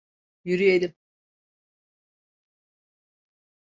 Yürüyelim.